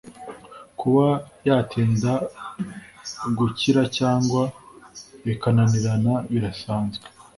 Kuba yatinda gukira cyangwa bikananirana birasanzwe